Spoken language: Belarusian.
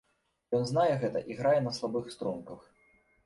А ён знае гэта і грае на слабых струнках.